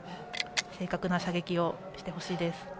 正確な射撃をしてほしいです。